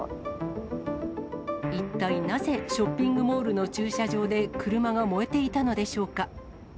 一体なぜ、ショッピングモールの駐車場で、車が燃えていたのでしょうか。